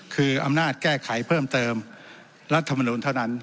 คืออำนาจแก้ไขเพิ่มเติมรัฐมนุนเท่านั้น